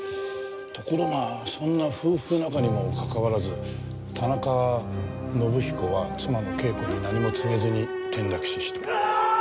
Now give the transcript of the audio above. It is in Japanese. ところがそんな夫婦仲にもかかわらず田中伸彦は妻の啓子に何も告げずに転落死した。